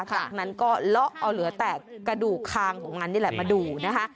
จากนั้นก็เลาะเอาเหลือแต่กระดูกคางของมันนี่แหละมาดูนะคะ